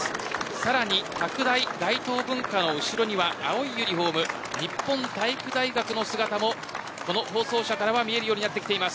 さらに拓大、大東文化の後ろには青いユニホーム日本体育大学の姿もこの放送車からは見えるようになってきます。